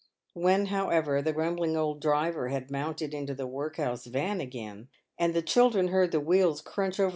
"When, however, the grumbling old driver had mounted into the workhouse van again, and the children heard the wheels crunch over PAVED WITH GOLD.